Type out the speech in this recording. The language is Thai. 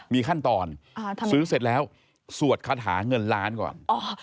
มีขั้นตอนซื้อเสร็จแล้วสวดคาถาเงินล้านก่อน